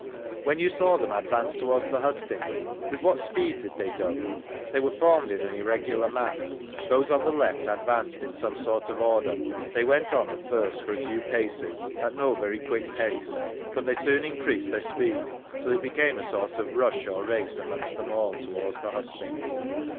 When you saw them advance towards the hust ings, with what speed did they go? — They were formed in an irregular mass. Those on the left advanced in some sort of order. They went on at first, for a few paces, at no very quick pace; but they soon increased their speed, till it became a sort of rush or race amongst them all towards the hustings.